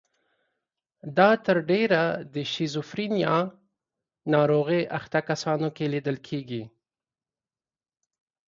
دا تر ډېره د شیزوفرنیا ناروغۍ اخته کسانو کې لیدل کیږي.